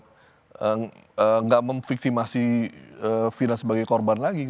mereka enggak memviktimasi fina sebagai korban lagi